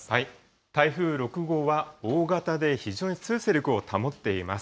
台風６号は大型で非常に強い勢力を保っています。